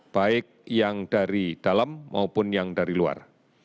baik yang dari dalam maupun yang dari luar